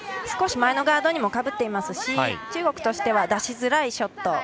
少し前のガードにもかぶっていますし中国としては出しづらいショット。